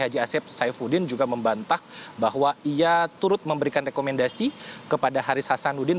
haji asep saifuddin juga membantah bahwa ia turut memberikan rekomendasi kepada haris hasanuddin